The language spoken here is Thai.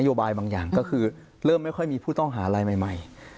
โยบายบางอย่างก็คือเริ่มไม่ค่อยมีผู้ต้องหารายใหม่